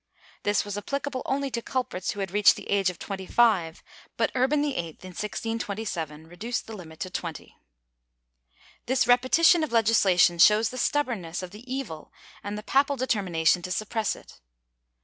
This was applicable only to culprits who had reached the age of 25, but Urban VIII, in 1627, reduced the limit to 20." This repetition of legislation shows the stubbornness of the evil and the papal determination to suppress it.